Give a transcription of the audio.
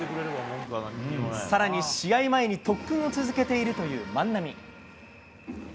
さらに試合前に特訓を続けているという万波。